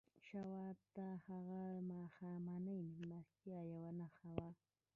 شواب ته هغه ماښامنۍ مېلمستیا یوه نښه وه